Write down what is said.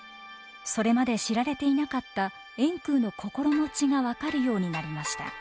それまで知られていなかった円空の心持ちが分かるようになりました。